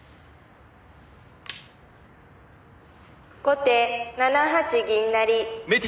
「後手７八銀成」